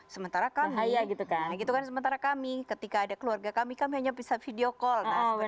sementara kami ketika ada keluarga kami kami hanya bisa video call